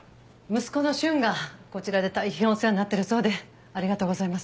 息子の瞬がこちらで大変お世話になってるそうでありがとうございます。